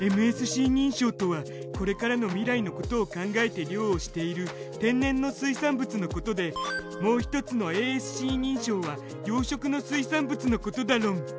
ＭＳＣ認証とはこれからの未来のことを考えて漁をしている天然の水産物のことでもう一つのａｓｃ認証は養殖の水産物のことだろん。